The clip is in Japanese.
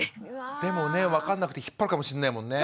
でもね分かんなくて引っ張るかもしんないもんね。